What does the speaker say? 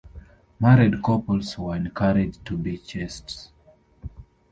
Married couples were encouraged to be chaste.